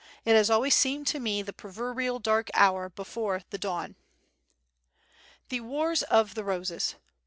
It has always seemed to me the proverbial dark hour before the dawn. The Wars of the Roses.